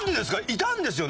いたんですよね？